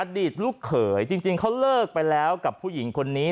อดีตลูกเขยจริงเขาเลิกไปแล้วกับผู้หญิงคนนี้